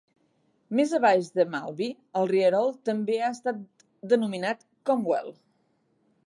Més a baix de Maltby, el rierol també ha estat denominat "Comwell".